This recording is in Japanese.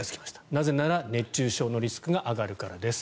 なぜなら、熱中症のリスクが上がるからです。